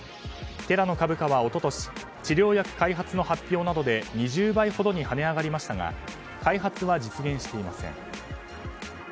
テラの株価は一昨年治療薬開発の発表などで２０倍ほどに跳ね上がりましたが開発は実現していません。